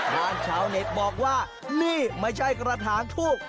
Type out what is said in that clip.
ชาวเน็ตบอกว่านี่ไม่ใช่กระถางทูบ